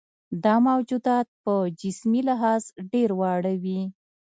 دا موجودات په جسمي لحاظ ډېر واړه وي.